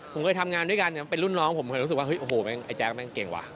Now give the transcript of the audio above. ผมเคยทำงานด้วยกันเป็นรุ่นน้องผมเคยรู้สึกว่าเฮ้ยโอ้โหไอ้แจ๊กแม่งเก่งว่ะ